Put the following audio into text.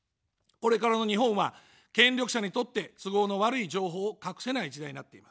これからの日本は、権力者にとって都合の悪い情報を隠せない時代になっています。